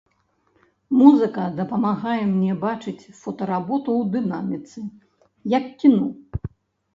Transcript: Музыка дапамагае мне бачыць фотаработу ў дынаміцы, як кіно!